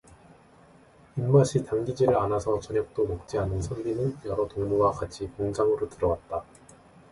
입맛이 당기지를 않아서 저녁도 먹지 않은 선비는 여러 동무와 같이 공장으로 들어왔다.